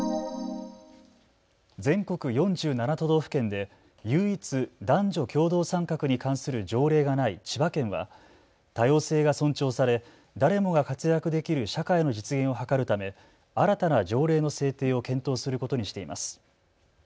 全国４７都道府県で唯一、男女共同参画に関する条例がない千葉県は多様性が尊重され誰もが活躍できる社会の実現を図るため新たな条例の制定を検討することにしています。